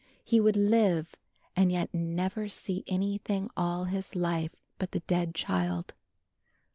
He would live and yet never see anything all his life but the dead child.